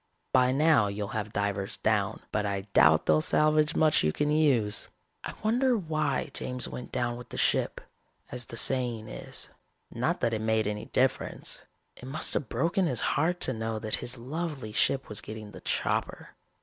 By now you'll have divers down, but I doubt they'll salvage much you can use. "I wonder why James went down with the ship, as the saying is? Not that it made any difference. It must have broken his heart to know that his lovely ship was getting the chopper.